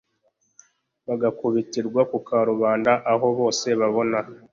bagakubitirwa ku karubanda aho bose babona